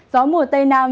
gió mùa tây nam